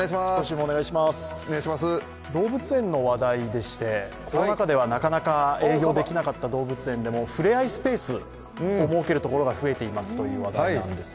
動物園の話題でして、コロナ禍ではなかなか営業できなかった動物園でもふれあいスペースを設けるところが増えていますという話題なんです。